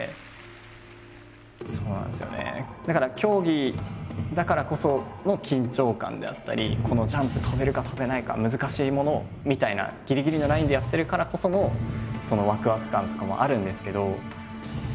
でもやっぱりそういうこと考えるとこのジャンプ跳べるか跳べないか難しいものをみたいなぎりぎりのラインでやってるからこそのそのワクワク感とかもあるんですけど。